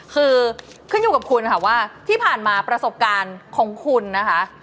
คือขึ้นอยู่กับคุณค่ะว่าที่ผ่านมาประสบการณ์ของคุณนะคะ